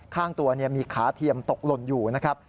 ข้างตัวมีขาเทียมตกหล่นอยู่นะครับ